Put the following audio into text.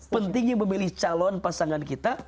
pentingnya memilih calon pasangan kita